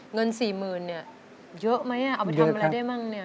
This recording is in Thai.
เงิน๔๐๐๐เนี่ยเยอะไหมเอาไปทำอะไรได้มั่งเนี่ย